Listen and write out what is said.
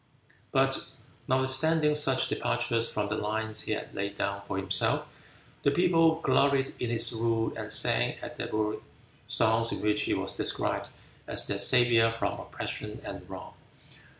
But notwithstanding such departures from the lines he had laid down for himself, the people gloried in his rule and sang at their work songs in which he was described as their savior from oppression and wrong.